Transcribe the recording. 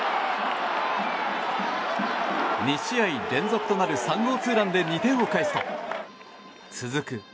２試合連続となる３号ツーランで２点を返すと続く